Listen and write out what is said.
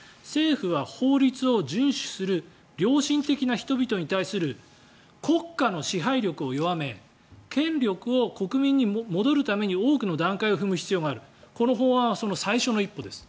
政府は、法律を順守する良心的な人々に対する国家の支配力を弱め権力を国民に戻るために多くの段階を踏む必要があるこの法案はその最初の一歩です。